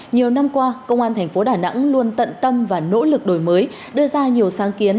nhiều năm qua công an thành phố đà nẵng luôn tận tâm và nỗ lực đổi mới đưa ra nhiều sáng kiến